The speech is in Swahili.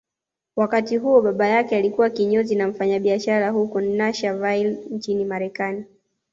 Wakati huo baba yake alikuwa kinyozi na mfanyabiashara huko Narshaville nchini Marekani